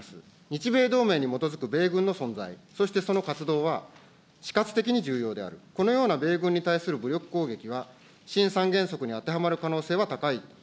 日米同盟に基づく米軍の存在、そして、その活動は死活的に重要である、このような米軍に対する武力攻撃は、新３原則に当てはまる可能性は高いと。